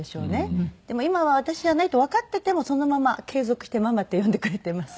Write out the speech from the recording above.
でも今は私じゃないとわかっていてもそのまま継続してママって呼んでくれていますね。